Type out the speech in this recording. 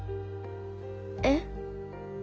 えっ？